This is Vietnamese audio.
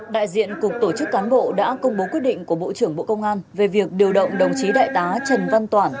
đại diện cục tổ chức cán bộ đã công bố quyết định của bộ trưởng bộ công an về việc điều động đồng chí đại tá trần văn toản